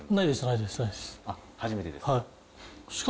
初めてですか。